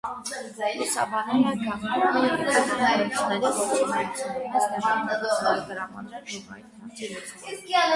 Լուսաբանել է գավկոմի, գյուղխորհուրդների գործունեությունը, մեծ տեղ տրամադրել հողային հարցի լուծմանը։